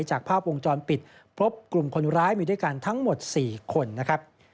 จากภาพวงจรปิดพบกลุ่มคนร้ายมีด้วยกันทั้งหมด๔คนนะครับ